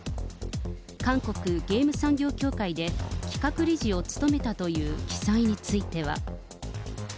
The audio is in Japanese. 韓国ゲーム産業協会で企画理事を務めたという記載については。